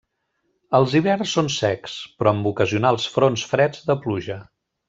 Els hiverns són secs, però amb ocasionals fronts freds de pluja.